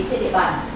trên địa bàn